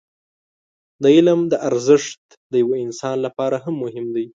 د علم دا ارزښت د يوه انسان لپاره هم مهم دی.